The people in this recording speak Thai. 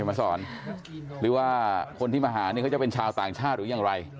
มาสอนหรือว่าคนที่มาหาเนี่ยเขาจะเป็นชาวต่างชาติหรือยังไร